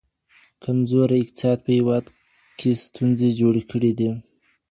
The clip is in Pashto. کمزوري اقتصاد په هیواد کي ستونزې جوړې کړې دي.